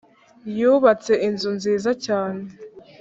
Yubatse inzu nziza cyane